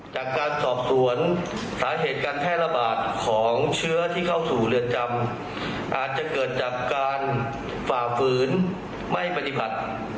จากการสอบสวนสาเหตุการแพร่ระบาดของเชื้อที่เข้าสู่เรือนจำอาจจะเกิดจากการฝ่าฝืนไม่ปฏิบัติ